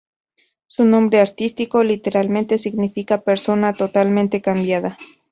Su nombre artístico, 周渝民, literalmente, significa "Persona totalmente cambiada".